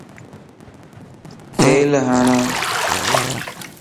تيل ھڻ